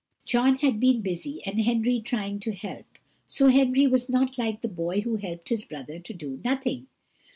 John had been busy, and Henry trying to help so Henry was not like the boy who helped his brother to do nothing.